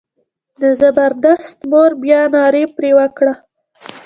د زبردست مور بیا ناره پر وکړه.